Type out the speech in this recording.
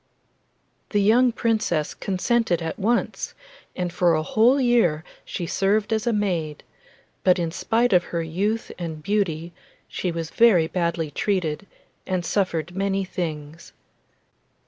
The young Princess consented at once, and for a whole year she served as a maid; but in spite of her youth and beauty she was very badly treated, and suffered many things.